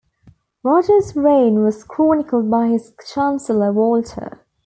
Roger's reign was chronicled by his chancellor Walter.